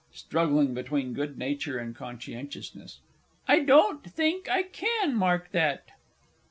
(Struggling between good nature and conscientiousness.) I don't think I can mark that.